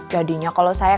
jadinya kalau saya